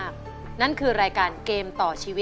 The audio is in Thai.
เพลงเดียว